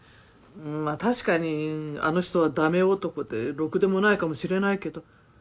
まあ確かにあの人は駄目男でろくでもないかもしれないけど。